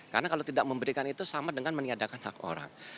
karena kalau tidak memberikan itu sama dengan meniadakan hak orang